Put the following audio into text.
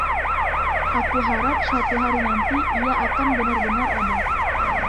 Aku harap suatu hari nanti ia akan benar-benar ada.